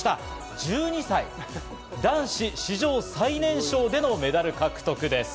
１２歳、男子史上最年少でのメダル獲得です。